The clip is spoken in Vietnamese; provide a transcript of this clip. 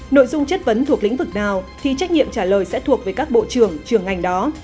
nội dung chất vấn thuộc lĩnh vực nào thì trách nhiệm trả lời sẽ thuộc về các bộ trưởng trường ngành đó